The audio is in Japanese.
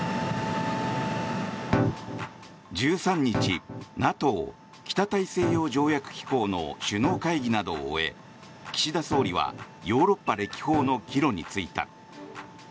１３日ＮＡＴＯ・北大西洋条約機構の首脳会議などを終え岸田総理はヨーロッパ歴訪の帰路に就いた。